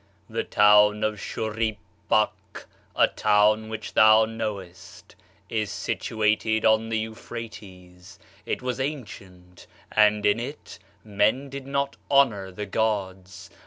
"'The town of Shurippak, a town which thou knowest, is situated on the Euphrates it was ancient, and in it [men did not honor] the gods.